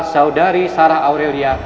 saudari sarah aurelia